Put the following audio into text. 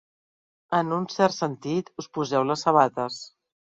En un cert sentit, us poseu les sabates.